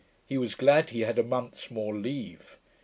He was glad he had a month's more leave.